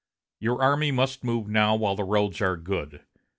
Your army must move now while the roads are good.